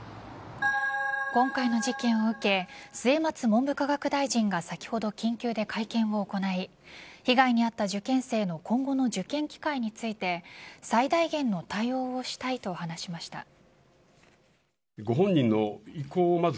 今回の事件を受け末松文部科学大臣が先ほど緊急で会見を行い被害に遭った受験生の今後の受験機会について最大限の対応をしたいと話しました。